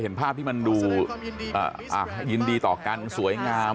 เห็นภาพที่มันดูยินดีต่อกันสวยงาม